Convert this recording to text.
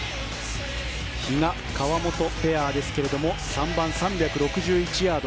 比嘉・河本ペアですが３番、３６１ヤード